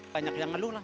banyak yang ngeluh lah